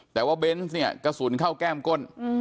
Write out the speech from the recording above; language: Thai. แต่ว่าเบนส์เนี่ยกระสุนเข้าแก้มก้น